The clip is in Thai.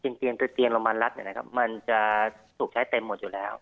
จริงเตียงโรงพยาบาลรัฐนี่นะครับมันจะถูกใช้เต็มหมดอยู่แล้ว